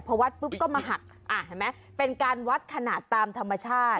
พอวัดปุ๊บก็มาหักเห็นไหมเป็นการวัดขนาดตามธรรมชาติ